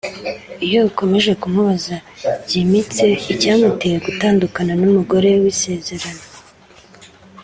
Iyo ukomeje kumubaza byimbitse icyamuteye gutandukana n’umugore w’isezerano